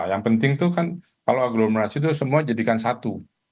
yang penting itu kan kalau aglomerasi itu semua jadikan satu